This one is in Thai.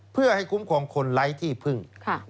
เพื่อให้คุ้มครองคนไร้ที่พึ่ง